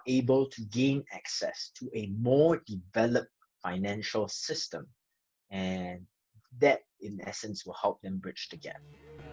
dan itu dalam asasnya akan membantu mereka untuk berkumpul